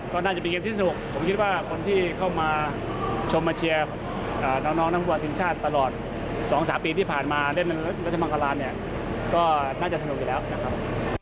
ก็น่าจะเป็นเกมที่สนุกผมคิดว่าคนที่เข้ามาชมมาเชียร์น้องนักฟุตบอลทีมชาติตลอด๒๓ปีที่ผ่านมาเล่นรัชมังคลานเนี่ยก็น่าจะสนุกอยู่แล้วนะครับ